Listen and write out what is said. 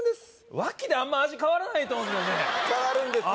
脇であんま味変わらないと思うんですけどね変わるんですよ